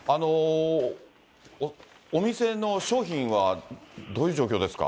お店の商品はどういう状況ですか。